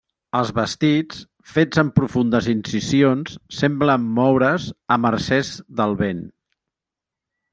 Els vestits, fets amb profundes incisions, semblen moure's a mercès del vent.